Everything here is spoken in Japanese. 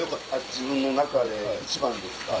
自分の中で１番ですか。